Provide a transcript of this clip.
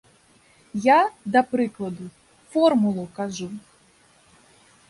Я, да прыкладу, формулу кажу.